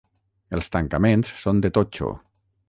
Els tancaments són de totxo.